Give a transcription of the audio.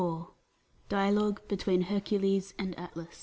15 ) DIALOGUE BETWEEN HERCULES AND ATLAS.